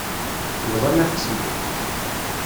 Bḍan-aɣ-tt-id.